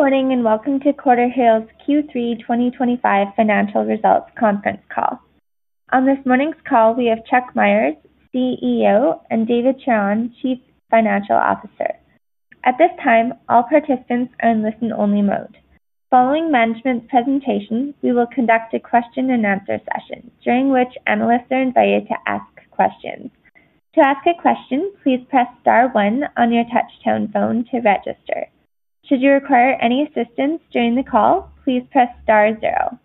Good morning and welcome to Quarterhill's Q3 2025 Financial Results Conference call. On this morning's call, we have Chuck Myers, CEO, and David Charron, Chief Financial Officer. At this time, all participants are in listen-only mode. Following management's presentation, we will conduct a question-and-answer session, during which analysts are invited to ask questions. To ask a question, please press star one on your touch-tone phone to register. Should you require any assistance during the call, please press star zero.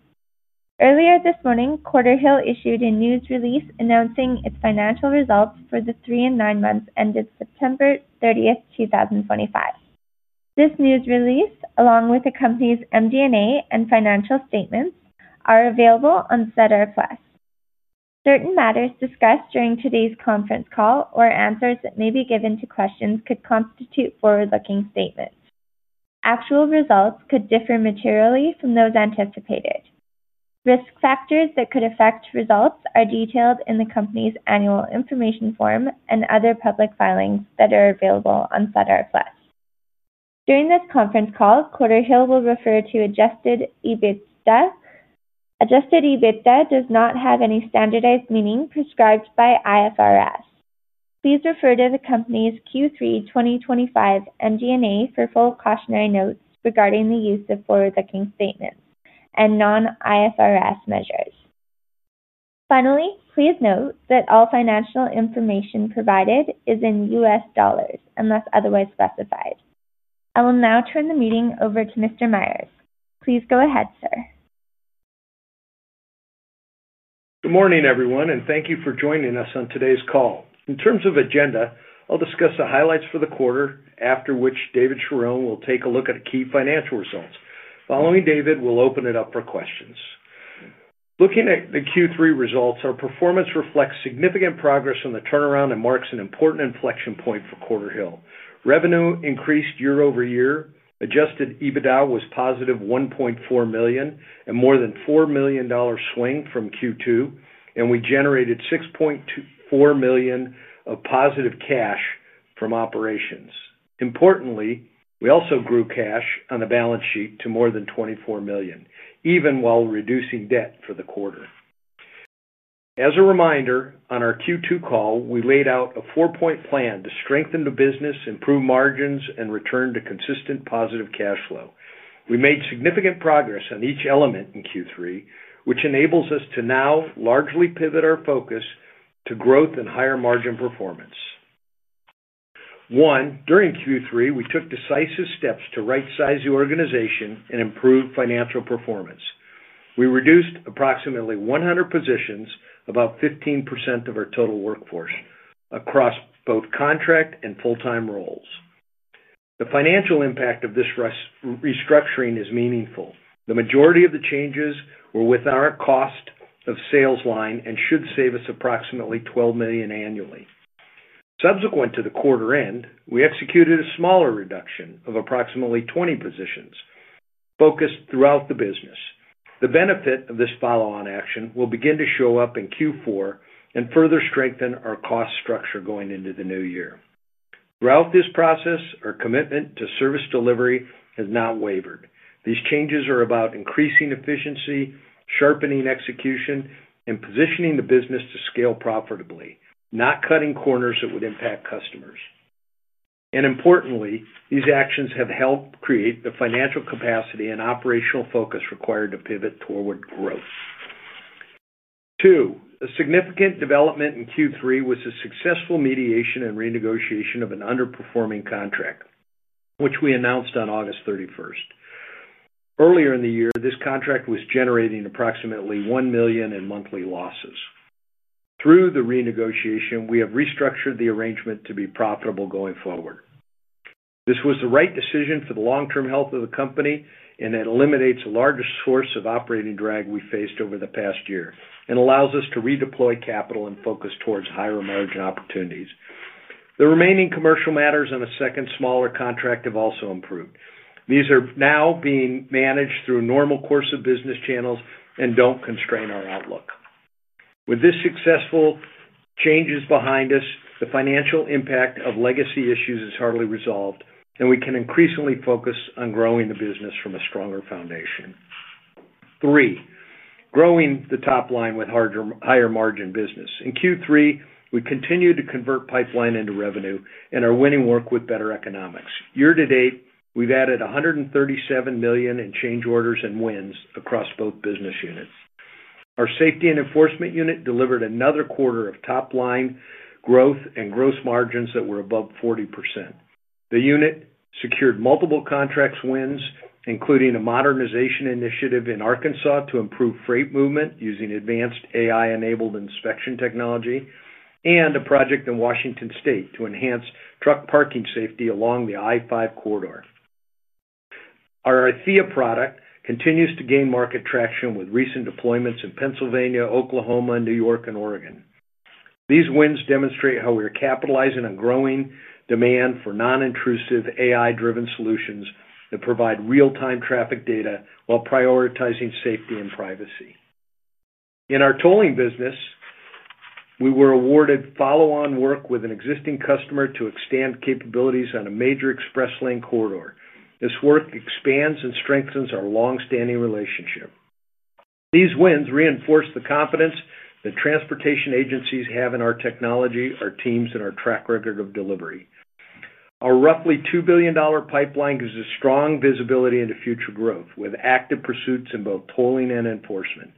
Earlier this morning, Quarterhill issued a news release announcing its financial results for the three and nine months ended September 30, 2025. This news release, along with the company's MD&A and financial statements, is available on SEDAR+. Certain matters discussed during today's conference call or answers that may be given to questions could constitute forward-looking statements. Actual results could differ materially from those anticipated. Risk factors that could affect results are detailed in the company's annual information form and other public filings that are available on SEDAR+. During this conference call, Quarterhill will refer to Adjusted EBITDA. Adjusted EBITDA does not have any standardized meaning prescribed by IFRS. Please refer to the company's Q3 2025 MD&A for full cautionary notes regarding the use of forward-looking statements and non-IFRS measures. Finally, please note that all financial information provided is in US dollars unless otherwise specified. I will now turn the meeting over to Mr. Myers. Please go ahead, sir. Good morning, everyone, and thank you for joining us on today's call. In terms of agenda, I'll discuss the highlights for the quarter, after which David Charron will take a look at key financial results. Following David, we'll open it up for questions. Looking at the Q3 results, our performance reflects significant progress in the turnaround and marks an important inflection point for Quarterhill. Revenue increased year over year, adjusted EBITDA was positive $1.4 million, a more than $4 million swing from Q2, and we generated $6.4 million of positive cash from operations. Importantly, we also grew cash on the balance sheet to more than $24 million, even while reducing debt for the quarter. As a reminder, on our Q2 call, we laid out a four-point plan to strengthen the business, improve margins, and return to consistent positive cash flow. We made significant progress on each element in Q3, which enables us to now largely pivot our focus to growth and higher margin performance. One, during Q3, we took decisive steps to right-size the organization and improve financial performance. We reduced approximately 100 positions, about 15% of our total workforce, across both contract and full-time roles. The financial impact of this restructuring is meaningful. The majority of the changes were with our cost of sales line and should save us approximately $12 million annually. Subsequent to the quarter-end, we executed a smaller reduction of approximately 20 positions focused throughout the business. The benefit of this follow-on action will begin to show up in Q4 and further strengthen our cost structure going into the new year. Throughout this process, our commitment to service delivery has not wavered. These changes are about increasing efficiency, sharpening execution, and positioning the business to scale profitably, not cutting corners that would impact customers. Importantly, these actions have helped create the financial capacity and operational focus required to pivot toward growth. Two, a significant development in Q3 was the successful mediation and renegotiation of an underperforming contract, which we announced on August 31. Earlier in the year, this contract was generating approximately $1 million in monthly losses. Through the renegotiation, we have restructured the arrangement to be profitable going forward. This was the right decision for the long-term health of the company, and it eliminates the largest source of operating drag we faced over the past year and allows us to redeploy capital and focus towards higher margin opportunities. The remaining commercial matters on a second smaller contract have also improved. These are now being managed through normal course of business channels and do not constrain our outlook. With these successful changes behind us, the financial impact of legacy issues is hardly resolved, and we can increasingly focus on growing the business from a stronger foundation. Three, growing the top line with higher margin business. In Q3, we continue to convert pipeline into revenue and are winning work with better economics. Year to date, we have added $137 million in change orders and wins across both business units. Our safety and enforcement unit delivered another quarter of top line growth and gross margins that were above 40%. The unit secured multiple contract wins, including a modernization initiative in Arkansas to improve freight movement using advanced AI-enabled inspection technology and a project in Washington State to enhance truck parking safety along the I-5 corridor. Our Arthea product continues to gain market traction with recent deployments in Pennsylvania, Oklahoma, New York, and Oregon. These wins demonstrate how we are capitalizing on growing demand for non-intrusive AI-driven solutions that provide real-time traffic data while prioritizing safety and privacy. In our tolling business, we were awarded follow-on work with an existing customer to expand capabilities on a major express lane corridor. This work expands and strengthens our long-standing relationship. These wins reinforce the confidence that transportation agencies have in our technology, our teams, and our track record of delivery. Our roughly $2 billion pipeline gives us strong visibility into future growth with active pursuits in both tolling and enforcement.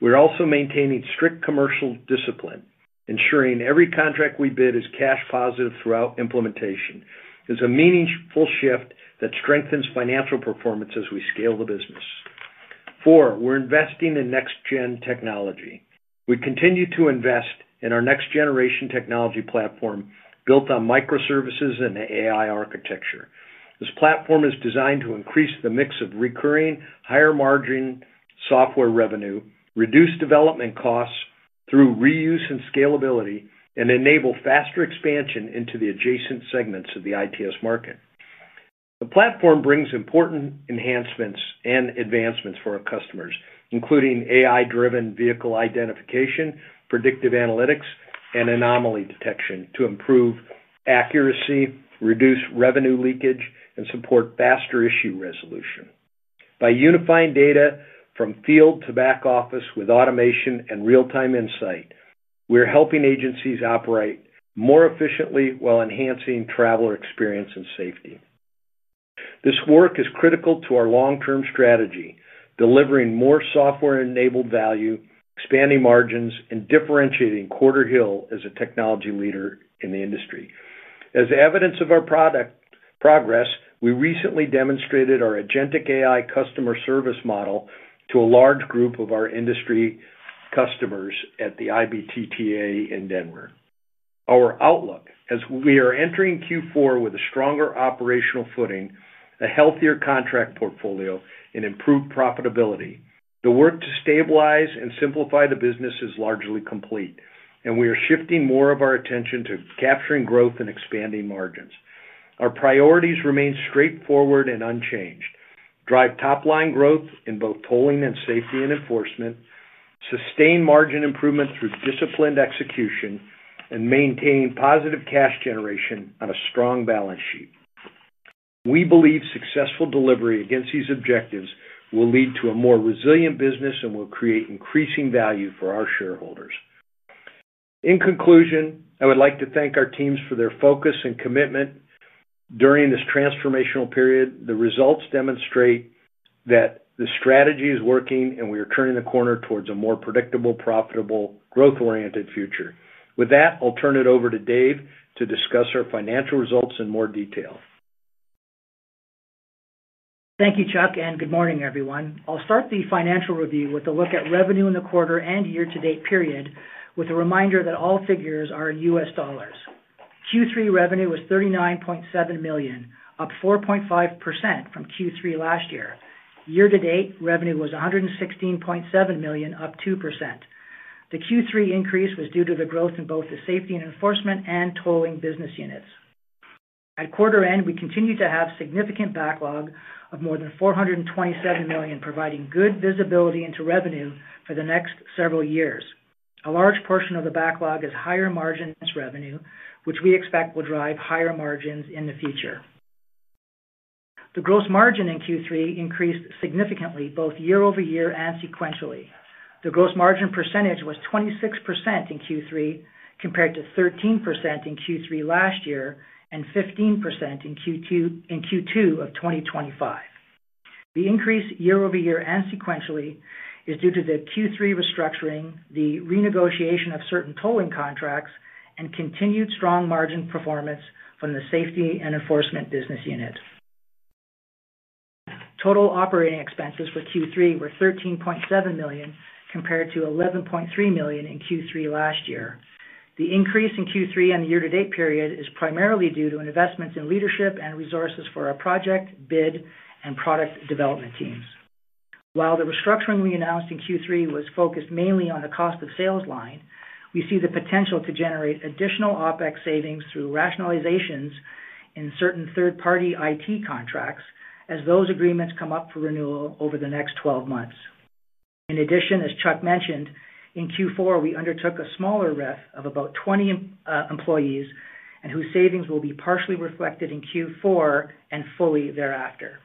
We're also maintaining strict commercial discipline, ensuring every contract we bid is cash positive throughout implementation. It's a meaningful shift that strengthens financial performance as we scale the business. Four, we're investing in next-gen technology. We continue to invest in our next-generation technology platform built on microservices and AI architecture. This platform is designed to increase the mix of recurring, higher-margin software revenue, reduce development costs through reuse and scalability, and enable faster expansion into the adjacent segments of the ITS market. The platform brings important enhancements and advancements for our customers, including AI-driven vehicle identification, predictive analytics, and anomaly detection to improve accuracy, reduce revenue leakage, and support faster issue resolution. By unifying data from field to back office with automation and real-time insight, we're helping agencies operate more efficiently while enhancing traveler experience and safety. This work is critical to our long-term strategy, delivering more software-enabled value, expanding margins, and differentiating Quarterhill as a technology leader in the industry. As evidence of our progress, we recently demonstrated our agentic AI customer service model to a large group of our industry customers at the IBTTA in Denver. Our outlook, as we are entering Q4 with a stronger operational footing, a healthier contract portfolio, and improved profitability, the work to stabilize and simplify the business is largely complete, and we are shifting more of our attention to capturing growth and expanding margins. Our priorities remain straightforward and unchanged: drive top-line growth in both tolling and safety and enforcement, sustain margin improvement through disciplined execution, and maintain positive cash generation on a strong balance sheet. We believe successful delivery against these objectives will lead to a more resilient business and will create increasing value for our shareholders. In conclusion, I would like to thank our teams for their focus and commitment during this transformational period. The results demonstrate that the strategy is working, and we are turning the corner towards a more predictable, profitable, growth-oriented future. With that, I'll turn it over to Dave to discuss our financial results in more detail. Thank you, Chuck, and good morning, everyone. I'll start the financial review with a look at revenue in the quarter and year-to-date period, with a reminder that all figures are in US dollars. Q3 revenue was $39.7 million, up 4.5% from Q3 last year. Year-to-date, revenue was $116.7 million, up 2%. The Q3 increase was due to the growth in both the safety and enforcement and tolling business units. At quarter-end, we continue to have significant backlog of more than $427 million, providing good visibility into revenue for the next several years. A large portion of the backlog is higher margin revenue, which we expect will drive higher margins in the future. The gross margin in Q3 increased significantly both year-over-year and sequentially. The gross margin percentage was 26% in Q3 compared to 13% in Q3 last year and 15% in Q2 of 2025. The increase year-over-year and sequentially is due to the Q3 restructuring, the renegotiation of certain tolling contracts, and continued strong margin performance from the safety and enforcement business unit. Total operating expenses for Q3 were $13.7 million compared to $11.3 million in Q3 last year. The increase in Q3 and the year-to-date period is primarily due to investments in leadership and resources for our project, bid, and product development teams. While the restructuring we announced in Q3 was focused mainly on the cost of sales line, we see the potential to generate additional OpEx savings through rationalizations in certain third-party IT contracts as those agreements come up for renewal over the next 12 months. In addition, as Chuck mentioned, in Q4, we undertook a smaller RIF of about 20 employees and whose savings will be partially reflected in Q4 and fully thereafter.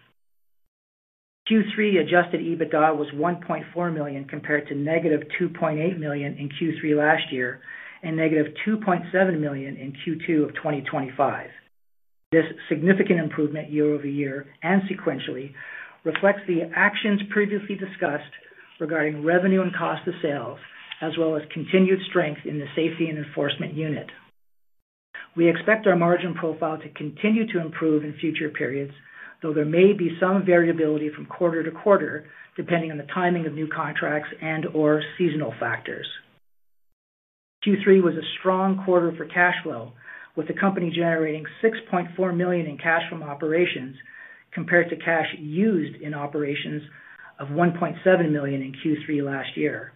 Q3 Adjusted EBITDA was $1.4 million compared to negative $2.8 million in Q3 last year and negative $2.7 million in Q2 of 2025. This significant improvement year-over-year and sequentially reflects the actions previously discussed regarding revenue and cost of sales, as well as continued strength in the safety and enforcement unit. We expect our margin profile to continue to improve in future periods, though there may be some variability from quarter to quarter depending on the timing of new contracts and/or seasonal factors. Q3 was a strong quarter for cash flow, with the company generating $6.4 million in cash from operations compared to cash used in operations of $1.7 million in Q3 last year.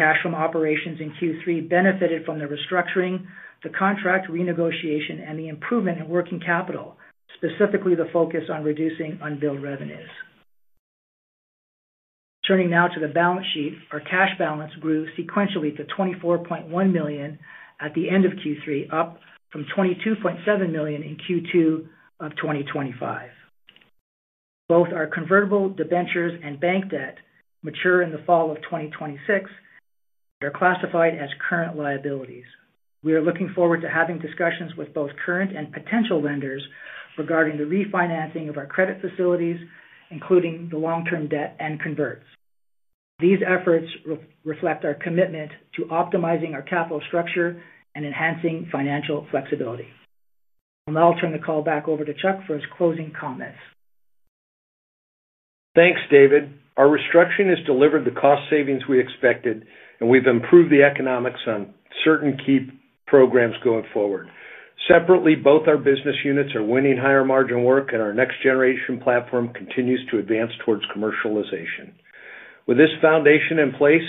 Cash from operations in Q3 benefited from the restructuring, the contract renegotiation, and the improvement in working capital, specifically the focus on reducing unbilled revenues. Turning now to the balance sheet, our cash balance grew sequentially to $24.1 million at the end of Q3, up from $22.7 million in Q2 of 2025. Both our convertible debentures and bank debt mature in the fall of 2026 and are classified as current liabilities. We are looking forward to having discussions with both current and potential lenders regarding the refinancing of our credit facilities, including the long-term debt and converts. These efforts reflect our commitment to optimizing our capital structure and enhancing financial flexibility. I'll now turn the call back over to Chuck for his closing comments. Thanks, David. Our restructuring has delivered the cost savings we expected, and we've improved the economics on certain key programs going forward. Separately, both our business units are winning higher margin work, and our next-generation platform continues to advance towards commercialization. With this foundation in place,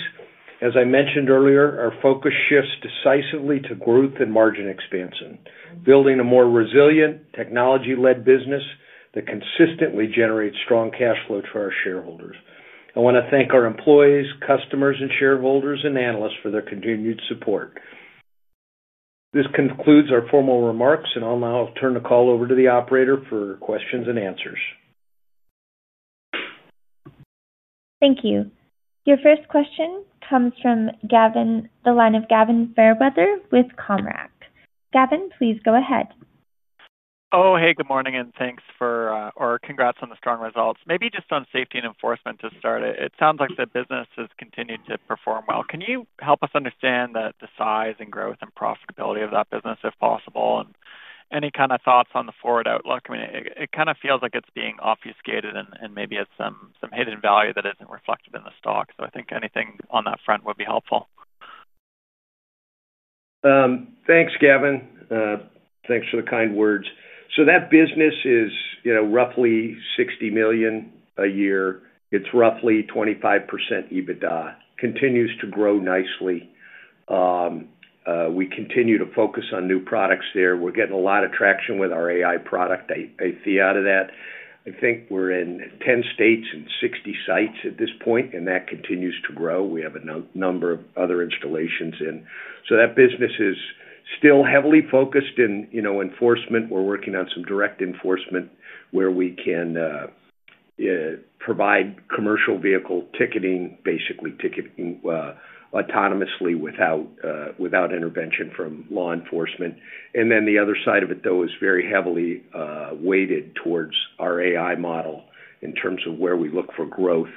as I mentioned earlier, our focus shifts decisively to growth and margin expansion, building a more resilient technology-led business that consistently generates strong cash flow for our shareholders. I want to thank our employees, customers, and shareholders and analysts for their continued support. This concludes our formal remarks, and I'll now turn the call over to the operator for questions and answers. Thank you. Your first question comes from the line of Gavin Fairweather with Cormark. Gavin, please go ahead. Oh, hey, good morning, and thanks for, or congrats on the strong results. Maybe just on safety and enforcement to start. It sounds like the business has continued to perform well. Can you help us understand the size and growth and profitability of that business, if possible, and any kind of thoughts on the forward outlook? I mean, it kind of feels like it's being obfuscated, and maybe it's some hidden value that isn't reflected in the stock. I think anything on that front would be helpful. Thanks, Gavin. Thanks for the kind words. That business is roughly $60 million a year. It's roughly 25% EBITDA. Continues to grow nicely. We continue to focus on new products there. We're getting a lot of traction with our AI product. I see out of that, I think we're in 10 states and 60 sites at this point, and that continues to grow. We have a number of other installations in. That business is still heavily focused in enforcement. We're working on some direct enforcement where we can provide commercial vehicle ticketing, basically ticketing autonomously without intervention from law enforcement. The other side of it, though, is very heavily weighted towards our AI model in terms of where we look for growth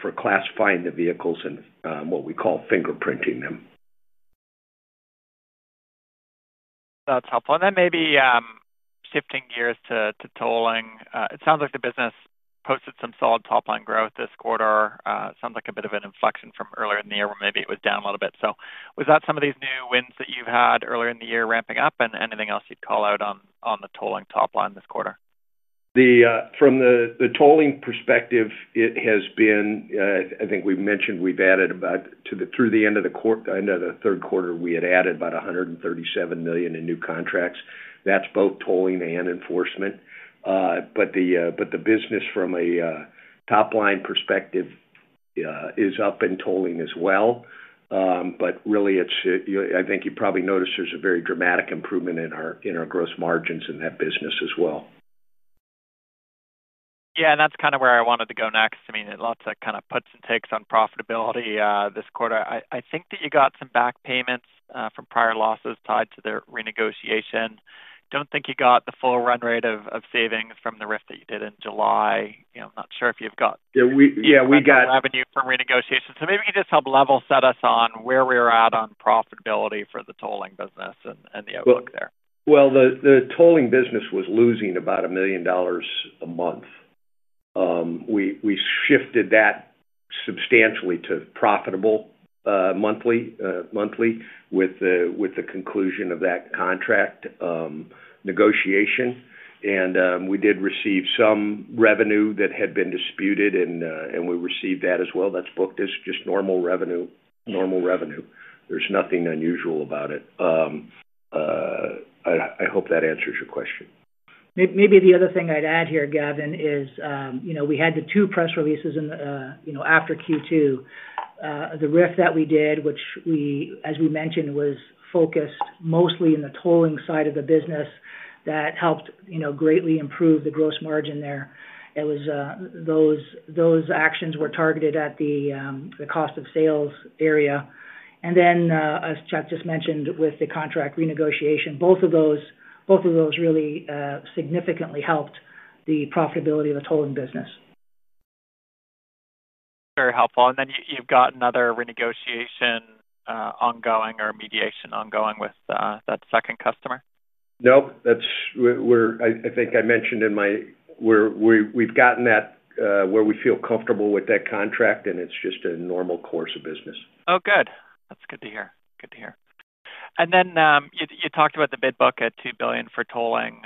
for classifying the vehicles and what we call fingerprinting them. That's helpful. Maybe shifting gears to tolling. It sounds like the business posted some solid top-line growth this quarter. It sounds like a bit of an inflection from earlier in the year where maybe it was down a little bit. Was that some of these new wins that you've had earlier in the year ramping up? Anything else you'd call out on the tolling top line this quarter? From the tolling perspective, it has been, I think we've mentioned we've added about, through the end of the third quarter, we had added about $137 million in new contracts. That's both tolling and enforcement. The business from a top-line perspective is up in tolling as well. I think you probably noticed there's a very dramatic improvement in our gross margins in that business as well. Yeah, and that's kind of where I wanted to go next. I mean, lots of kind of puts and takes on profitability this quarter. I think that you got some back payments from prior losses tied to the renegotiation. Don't think you got the full run rate of savings from the rift that you did in July. I'm not sure if you've got. Yeah, we got. Any revenue from renegotiation. Maybe you can just help level set us on where we are at on profitability for the tolling business and the outlook there. The tolling business was losing about $1 million a month. We shifted that substantially to profitable monthly with the conclusion of that contract negotiation. We did receive some revenue that had been disputed, and we received that as well. That is booked as just normal revenue. Normal revenue. There is nothing unusual about it. I hope that answers your question. Maybe the other thing I'd add here, Gavin, is we had the two press releases after Q2. The RIF that we did, which, as we mentioned, was focused mostly in the tolling side of the business that helped greatly improve the gross margin there. Those actions were targeted at the cost of sales area. As Chuck just mentioned, with the contract renegotiation, both of those really significantly helped the profitability of the tolling business. Very helpful. You have another renegotiation ongoing or mediation ongoing with that second customer? Nope. I think I mentioned in my, we've gotten that where we feel comfortable with that contract, and it's just a normal course of business. Oh, good. That's good to hear. Good to hear. You talked about the bid book at $2 billion for tolling.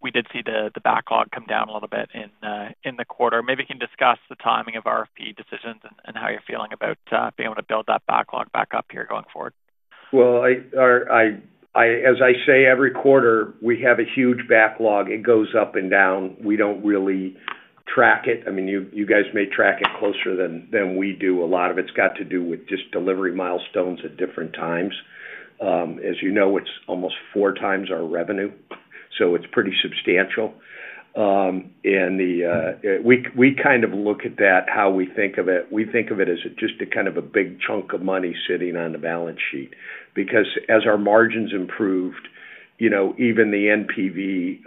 We did see the backlog come down a little bit in the quarter. Maybe you can discuss the timing of RFP decisions and how you're feeling about being able to build that backlog back up here going forward. As I say, every quarter, we have a huge backlog. It goes up and down. We do not really track it. I mean, you guys may track it closer than we do. A lot of it has to do with just delivery milestones at different times. As you know, it is almost four times our revenue, so it is pretty substantial. We kind of look at that, how we think of it. We think of it as just a kind of a big chunk of money sitting on the balance sheet. Because as our margins improved, even the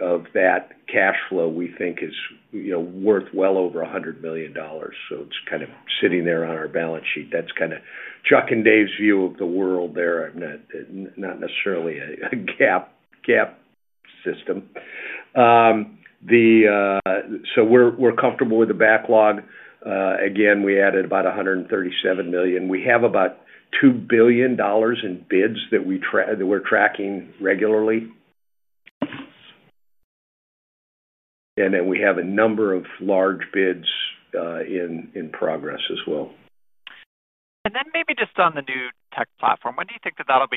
NPV of that cash flow, we think, is worth well over $100 million. It is kind of sitting there on our balance sheet. That is kind of Chuck and Dave's view of the world there. Not necessarily a GAAP system. We are comfortable with the backlog. Again, we added about $137 million. We have about $2 billion in bids that we're tracking regularly. We have a number of large bids in progress as well. Maybe just on the new tech platform, when do you think that that'll be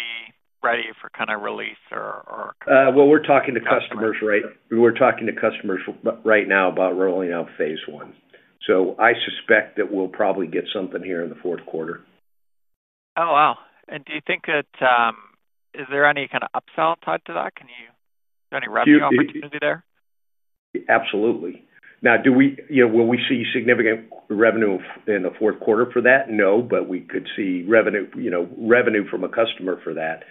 ready for kind of release or? We're talking to customers right now about rolling out phase one. I suspect that we'll probably get something here in the fourth quarter. Oh, wow. Do you think that. Is there any kind of upsell tied to that? Is there any revenue opportunity there? Absolutely. Now, will we see significant revenue in the fourth quarter for that? No, but we could see revenue from a customer for that.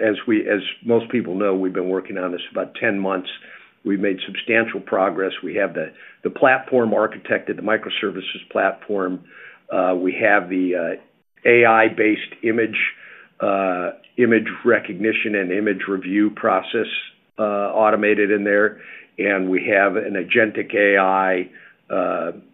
As most people know, we've been working on this about 10 months. We've made substantial progress. We have the platform architected, the microservices platform. We have the AI-based image recognition and image review process automated in there. We have an agentic AI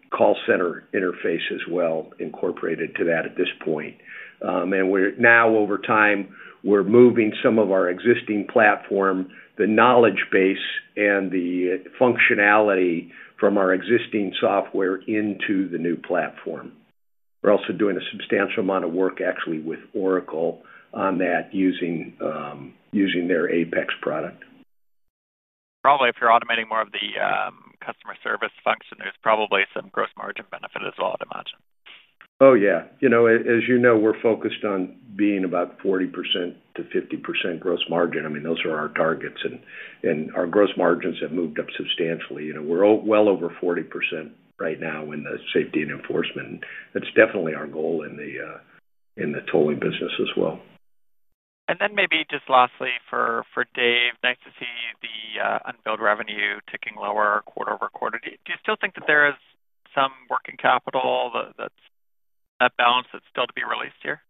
call center interface as well incorporated to that at this point. Over time, we're moving some of our existing platform, the knowledge base and the functionality from our existing software into the new platform. We're also doing a substantial amount of work, actually, with Oracle on that, using their APEX product. Probably if you're automating more of the customer service function, there's probably some gross margin benefit as well, I'd imagine. Oh, yeah. As you know, we're focused on being about 40%-50% gross margin. I mean, those are our targets. And our gross margins have moved up substantially. We're well over 40% right now in the safety and enforcement. That's definitely our goal in the tolling business as well. Maybe just lastly for Dave, nice to see the unbilled revenue ticking lower quarter over quarter. Do you still think that there is some working capital, that balance that's still to be released here?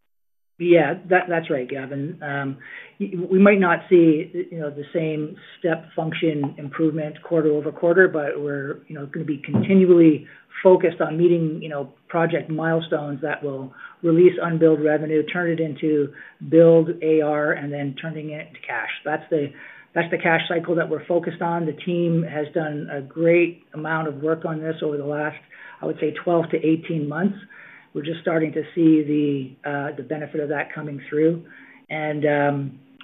Yeah, that's right, Gavin. We might not see the same step function improvement quarter over quarter, but we're going to be continually focused on meeting project milestones that will release unbilled revenue, turn it into billed AR, and then turning it into cash. That's the cash cycle that we're focused on. The team has done a great amount of work on this over the last, I would say, 12 to 18 months. We're just starting to see the benefit of that coming through.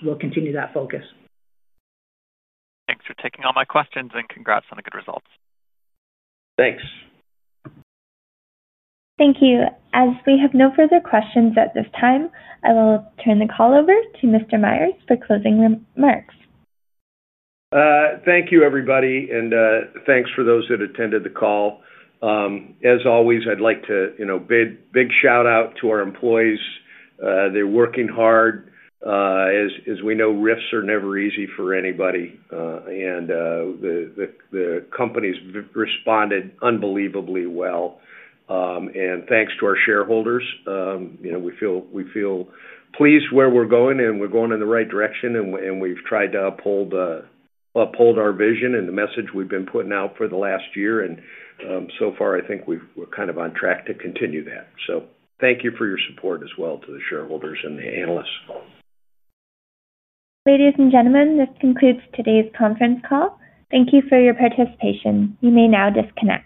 We'll continue that focus. Thanks for taking all my questions and congrats on the good results. Thanks. Thank you. As we have no further questions at this time, I will turn the call over to Mr. Myers for closing remarks. Thank you, everybody. Thanks for those that attended the call. As always, I'd like to give a big shout-out to our employees. They're working hard. As we know, rifts are never easy for anybody. The company's responded unbelievably well. Thanks to our shareholders. We feel pleased where we're going, and we're going in the right direction. We've tried to uphold our vision and the message we've been putting out for the last year. So far, I think we're kind of on track to continue that. Thank you for your support as well to the shareholders and the analysts. Ladies and gentlemen, this concludes today's conference call. Thank you for your participation. You may now disconnect.